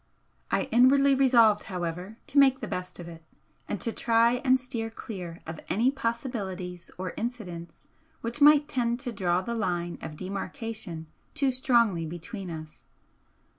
I inwardly resolved, however, to make the best of it and to try and steer clear of any possibilities or incidents which might tend to draw the line of demarcation too strongly between us.